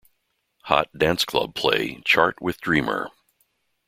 Hot Dance Club Play chart with "Dreamer".